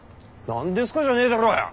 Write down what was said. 何ですかじゃねえだろうよ！